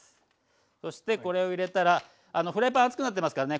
そしてこれを入れたらフライパン熱くなってますからね